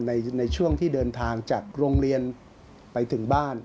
ในช่วงที่เดินทางจากโรงเรียนไปถึงบ้าน